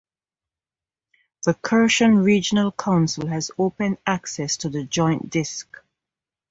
The Kherson Regional Council has opened access to the joint disk.